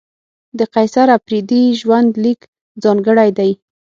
د قیصر اپریدي ژوند لیک ځانګړی دی.